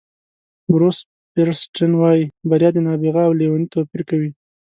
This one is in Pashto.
بروس فیریسټن وایي بریا د نابغه او لېوني توپیر کوي.